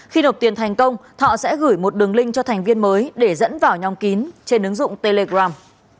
khi nộp tiền thành công thọ sẽ gửi một đường link cho thành viên mới để dẫn vào nhóm kín trên ứng dụng telegram